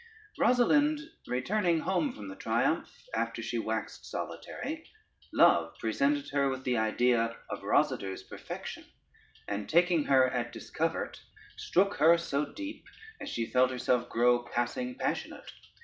_] Rosalynde returning home from the triumph, after she waxed solitary, love presented her with the idea of Rosader's perfection, and taking her at discovert struck her so deep, as she felt herself grow passing passionate.